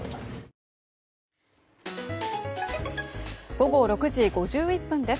午後６時５１分です。